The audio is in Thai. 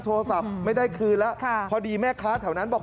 โทรศัพท์ไม่ได้คืนแล้วพอดีแม่ค้าแถวนั้นบอก